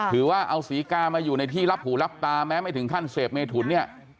ถือว่าเอาศรีกามาอยู่ในที่รับหูรับตาแม้ไม่ถึงขั้นเสพเมถุนเนี่ย